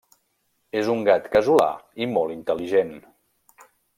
És un gat casolà i molt intel·ligent.